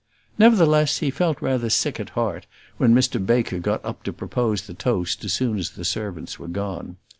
Nevertheless, he felt rather sick at heart when Mr Baker got up to propose the toast as soon as the servants were gone.